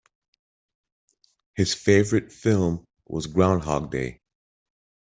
His favourite film was Groundhog Day